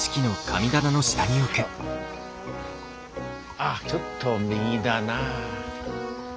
ああちょっと右だな。